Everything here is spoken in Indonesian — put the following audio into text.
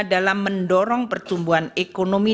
dalam mendorong pertumbuhan ekonomi